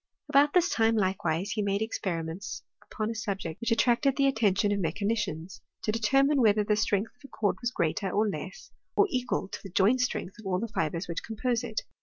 About this time, likewise, he made experiments upon a subject which attracted the attention of me chanicians— to determine whether the strength of a cord was greater, or less, or equal to the joint strength of all the fibres which compose it.